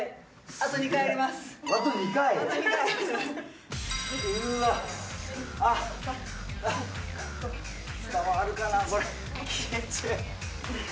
あと２回あります。